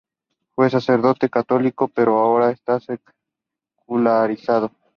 Fue sacerdote católico, pero ahora está secularizado.